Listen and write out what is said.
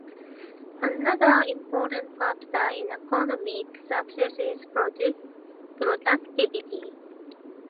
Another important factor in economic success is productivity.